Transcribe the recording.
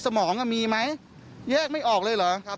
สมองมีไหมแยกไม่ออกเลยหรือ